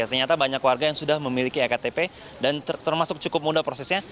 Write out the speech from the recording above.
ternyata banyak warga yang sudah memiliki ektp dan termasuk cukup mudah prosesnya